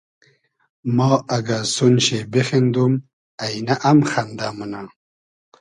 ما اگۂ سون شی بیخیندوم اݷنۂ ام خئندۂ مونۂ